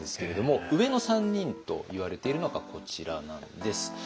上の３人といわれているのがこちらなんです。